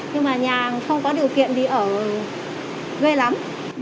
nhưng mà nhà không có điều kiện thì ở đây lắm